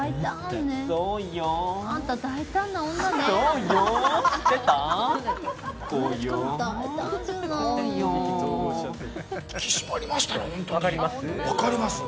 あんた大胆な女ね。